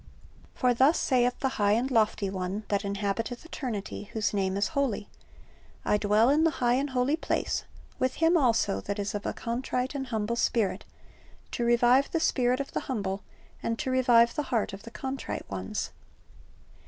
"For thus saith the high and lofty One that inhabiteth eternity, whose name is Holy: I dwell in the high and holy place, with Him also that is of a contrite and humble spirit, to revive the spirit of the humble, and to revive the heart of the contrite ones."